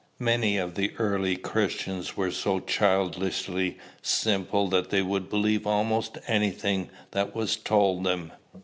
"Many of the early Christians were so childishly simple that they would believe almost any thing that was told them.